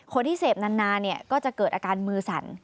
คนที่เสพนานก็จะเกิดอาการมือสั่น